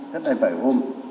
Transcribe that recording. cách đây vài hôm